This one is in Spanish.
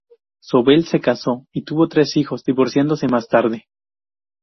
Sobel se casó y tuvo tres hijos, divorciándose más tarde.